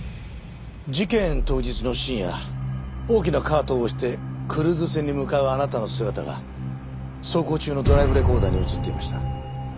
事件当日の深夜大きなカートを押してクルーズ船に向かうあなたの姿が走行中のドライブレコーダーに映っていました。